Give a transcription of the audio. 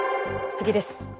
次です。